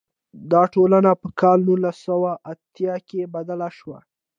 دا ټولنه په کال نولس سوه اتیا کې بدله شوه.